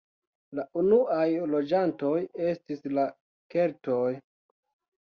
La unuaj loĝantoj estis la keltoj.